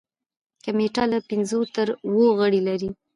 کمیټه له پنځو تر اوو غړي لري.